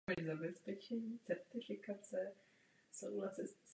Jedná se o již druhý chrám stejného zasvěcení v Mikulově.